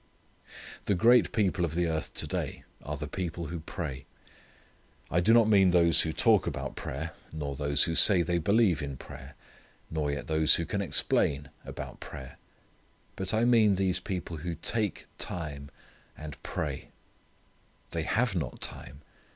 The great people of the earth to day are the people who pray. I do not mean those who talk about prayer; nor those who say they believe in prayer; nor yet those who can explain about prayer; but I mean these people who take time and pray. They have not time.